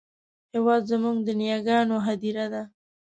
هېواد زموږ د نیاګانو هدیره ده